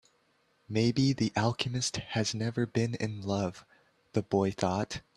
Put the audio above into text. Maybe the alchemist has never been in love, the boy thought.